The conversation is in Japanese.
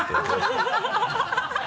ハハハ